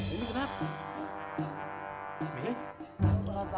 itu bakal berubah